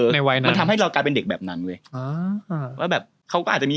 ในวัยนั้นมันทำให้เรากลายเป็นเด็กแบบนั้นเว้ยอ่าว่าแบบเขาก็อาจจะมี